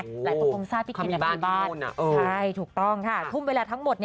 หลายคนคงทราบพี่กินที่บ้านใช่ถูกต้องค่ะทุ่มเวลาทั้งหมด